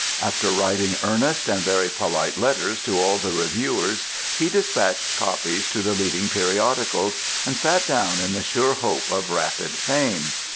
After writing earnest and very polite letters to all the reviewers he dispatched copies to the leading periodicals, and sat down in the sure hope of rapid fame.